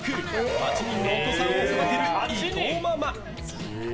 ８人のお子さんを育てる伊藤ママ。